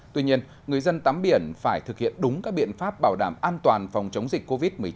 tuy nhiên người dân tắm biển phải thực hiện đúng các biện pháp bảo đảm an toàn phòng chống dịch covid một mươi chín